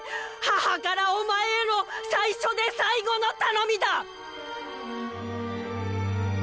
母からお前への最初で最後の頼みだ！